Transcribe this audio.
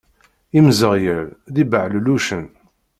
Imzeɣyal d ibeɣlellucen.